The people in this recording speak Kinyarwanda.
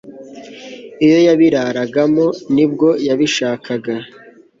iyo yabiraragamo, ni bwo bayishakashakaga